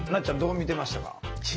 ちゃんどう見てましたか？